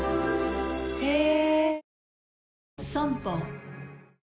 へえ。